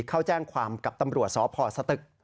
เข้าแจ้งความกับตำรวจสพสตึก